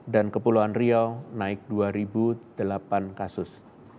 dan kepulauan riau naik dua delapan kasus